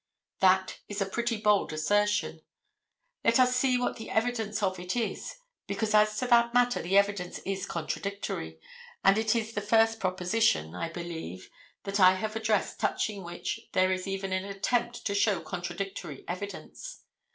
That is a pretty bold assertion. Let us see what the evidence of it is, because as to that matter the evidence is contradictory, and it is the first proposition, I believe that I have addressed touching which there is even an attempt to show contradictory evidence.